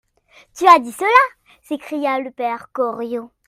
Tu as dit cela ! s'écria le père Goriot.